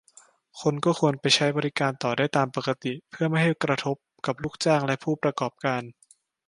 คนก็ควรไปใช้บริการต่อได้ตามปกติ เพื่อไม่ให้กระทบกับลูกจ้างและผู้ประกอบการ